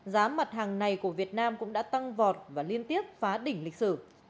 giá mặt hàng này của việt nam cũng đã tăng vọt và liên tiếp phá đỉnh lịch sử